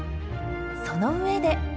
その上で。